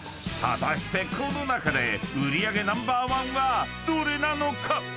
［果たしてこの中で売り上げナンバーワンはどれなのか？］